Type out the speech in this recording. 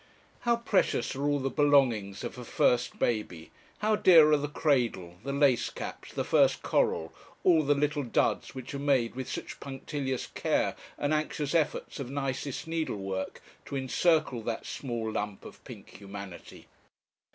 How precious are all the belongings of a first baby; how dear are the cradle, the lace caps, the first coral, all the little duds which are made with such punctilious care and anxious efforts of nicest needlework to encircle that small lump of pink humanity!